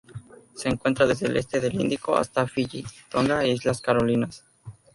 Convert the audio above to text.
Se encuentra desde el este del Índico hasta Fiyi, Tonga e Islas Carolinas.